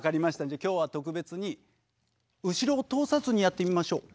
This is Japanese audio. じゃあ今日は特別に後ろを通さずにやってみましょう。